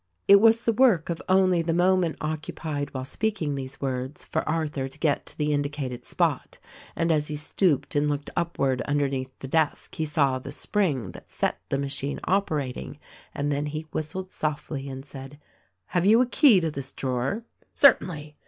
It was the work of only the moment occupied while speaking these words for Arthur to get to the indicated spot ; and as he stooped and looked upward underneath the desk he saw the spring that set the machine operating, and then he whistled softly and said, "Have you a key to this drawer ?" "Certainly